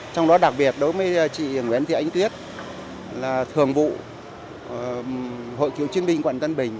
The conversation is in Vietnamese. trong đó đặc biệt đối với chị nguyễn thị ánh tuyết là thường vụ hội cựu chiến binh quận tân bình